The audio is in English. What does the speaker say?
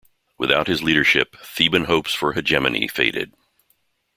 Without his leadership, Theban hopes for hegemony faded.